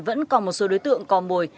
vẫn còn một số đối tượng cò mồi